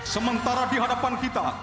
sementara di hadapan kita